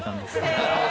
なるほど。